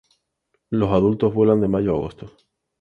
Los adultos vuelan de mayo a agosto.